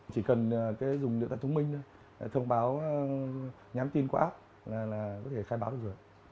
chỉ cần dùng điện thoại thông minh thông báo nhắn tin qua app là có thể khai báo được rồi